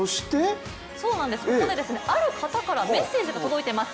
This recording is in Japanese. ここである方からメッセージが届いています。